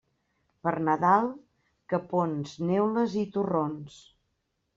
Per Nadal, capons, neules i torrons.